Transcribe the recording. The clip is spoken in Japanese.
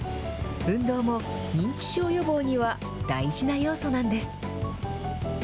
運動も認知症予防には大事な要素なんです。